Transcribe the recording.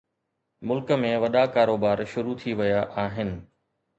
ملڪ ۾ وڏا ڪاروبار شروع ٿي ويا آهن